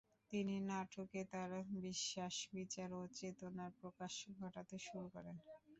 তিনি নাটকে তার বিশ্বাস, বিচার ও চেতনার প্রকাশ ঘটাতে শুরু করেন।